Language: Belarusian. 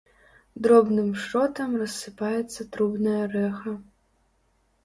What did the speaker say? Дробным шротам рассыпаецца трубнае рэха.